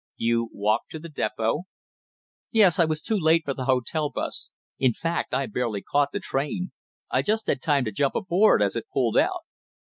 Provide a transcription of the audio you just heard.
"You walked to the depot?" "Yes, I was too late for the hotel bus; in fact, I barely caught the train. I just had time to jump aboard as it pulled out."